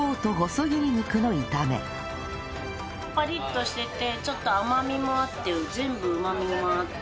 パリッとしててちょっと甘みもあって全部うまみもあって。